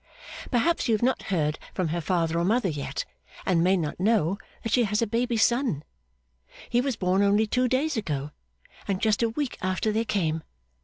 Perhaps you have not heard from her father or mother yet, and may not know that she has a baby son. He was born only two days ago, and just a week after they came.